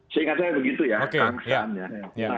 seingat saya begitu ya